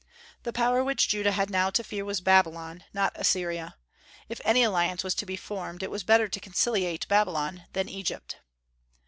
The power which Judah had now to fear was Babylon, not Assyria. If any alliance was to be formed, it was better to conciliate Babylon than Egypt.